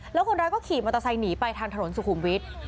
แล้วคนร้ายก็ขี่มอเตอร์ไซค์หนีไปทางถนนสุขุมวิทย์